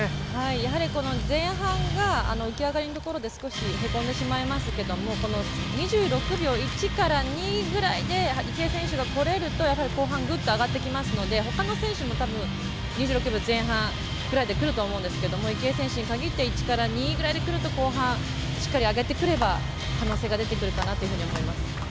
やはり前半が浮き上がりのところで少しへこんでしまいますけども２６秒１から２ぐらいで池江選手がこれると後半、ぐっと上がってきますのでほかの選手も、たぶん２６秒前半ぐらいでくると思うんですけど池江選手にかぎって１から２ぐらいでくると後半、しっかり上がってくれば、可能性が出てくるかなというふうに思います。